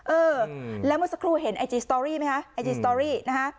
เออแล้วเมื่อสักครู่เห็นไอจีสตอรี่ไหมคะไอจีสตอรี่นะฮะ